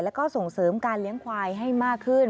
แล้วก็ส่งเสริมการเลี้ยงควายให้มากขึ้น